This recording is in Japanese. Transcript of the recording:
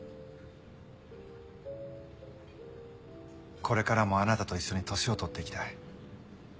これからもあなたと一緒に年を取って行きたい。